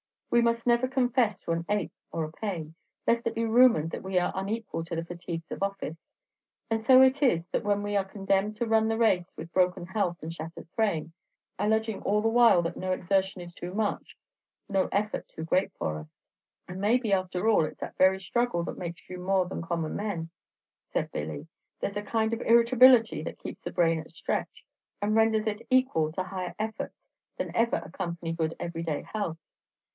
We must never confess to an ache or a pain, lest it be rumored that we are unequal to the fatigues of office; and so is it that we are condemned to run the race with broken health and shattered frame, alleging all the while that no exertion is too much, no effort too great for us." "And maybe, after all, it's that very struggle that makes you more than common men," said Billy. "There's a kind of irritability that keeps the brain at stretch, and renders it equal to higher efforts than ever accompany good everyday health.